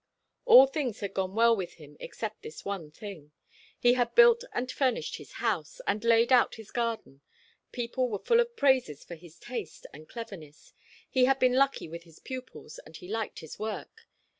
All things had gone well with him, except this one thing. He had built and furnished his house, and laid out his garden; people were full of praises for his taste and cleverness. He had been lucky with his pupils, and he liked his work.